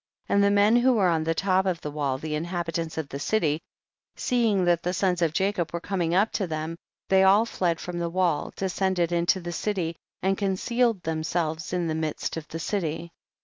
32. And the men who were on the top of the wall, the inhabitants of the city, seeing that the sons of Jacob were coming up to them, they all fled from the wall, descended in to the city, and concealed themselves in the midst of the city.